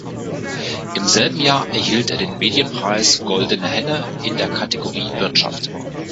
Im selben Jahr erhielt er den Medienpreis Goldene Henne in der Kategorie Wirtschaft.